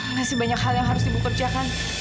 masih banyak hal yang harus ibu kerjakan